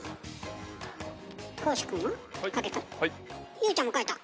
優ちゃんも書いた？